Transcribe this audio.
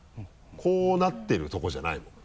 こうなってるとこじゃないもん